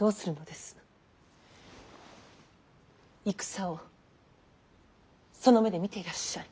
戦をその目で見ていらっしゃい。